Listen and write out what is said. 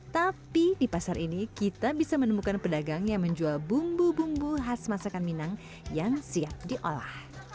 tapi di pasar ini kita bisa menemukan pedagang yang menjual bumbu bumbu khas masakan minang yang siap diolah